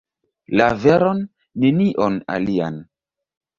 La veron, nenion alian.